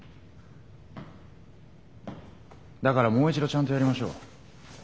だからもう一度ちゃんとやりましょう。